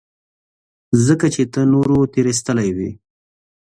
ځکه چې ته نورو تېرايستلى وې.